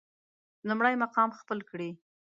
لومړی مقام خپل کړي.